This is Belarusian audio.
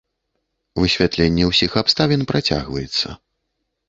Высвятленне ўсіх абставін працягваецца.